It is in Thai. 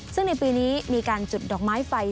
ซึ่งในปีนี้มีการจุดดอกไม้ไฟ